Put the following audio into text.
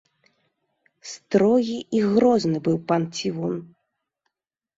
Строгі і грозны быў пан цівун.